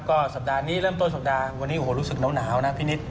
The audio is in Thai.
ก็สัปดาห์นี้เริ่มต้นสัปดาห์วันนี้โอ้โหรู้สึกหนาวนะพี่นิด